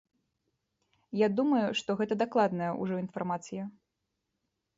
Я думаю, што гэта дакладная ўжо інфармацыя.